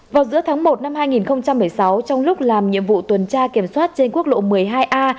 vào giữa tháng một năm hai nghìn một mươi sáu trong lúc làm nhiệm vụ tuần tra kiểm soát trên quốc lộ một mươi hai a